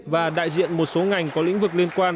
và đại diện một số ngành có lĩnh vực liên quan